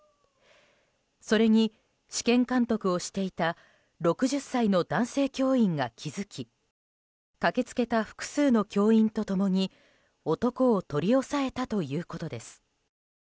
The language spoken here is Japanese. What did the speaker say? それに、試験監督をしていた６０歳の男性教員が気付き駆け付けた複数の教員と共に男を取り押さえたということです。